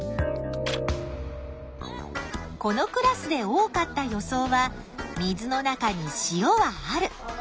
このクラスで多かった予想は水の中に塩はある。